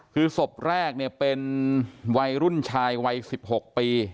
คือศพแรกเนี่ยเป็นวัยรุ่นชายวัย๑๖ปี